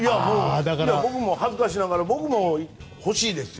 僕も恥ずかしながら僕も欲しいですよ。